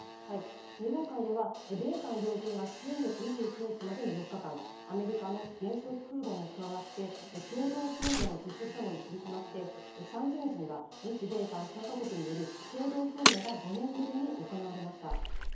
日本海では、米韓両軍が先月２９日までの４日間、アメリカの原子力空母も加わって共同訓練を実施したのに続きまして、３０日には日米韓３か国による共同訓練が５年ぶりに行われました。